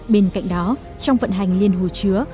bên cạnh đó trong vận hành liên hồ chứa